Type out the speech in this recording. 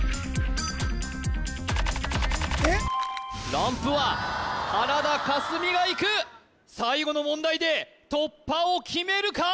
ランプは原田香純がいく最後の問題で突破を決めるか？